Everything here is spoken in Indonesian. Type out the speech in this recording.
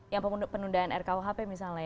yang penundaan rkuhp misalnya